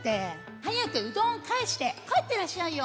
はやくうどんをかえしてかえってらっしゃいよ！